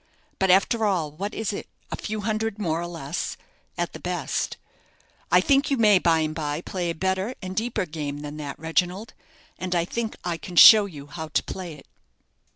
But after all, what is it? a few hundreds more or less, at the best. I think you may by and by play a better and a deeper game than that, Reginald, and I think I can show you how to play it."